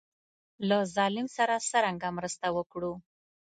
له ظالم سره څرنګه مرسته وکړو.